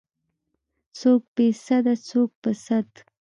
څوک بې سده څوک په سد.